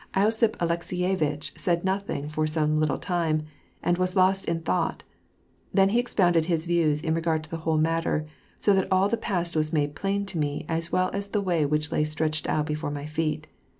losiph Alekseyevitch said nothing for some little time, and was lost in thought; then he expounded his views in regard to the whole matter, so that all the past was made plain to me as well as the way which lay stretched out before my feet.